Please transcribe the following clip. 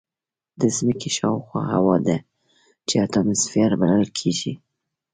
د ځمکې شاوخوا هوا ده چې اتماسفیر بلل کېږي.